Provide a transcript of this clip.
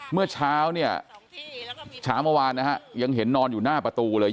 เมื่อเช้าเนี่ยเช้าเมื่อวานนะฮะยังเห็นนอนอยู่หน้าประตูเลย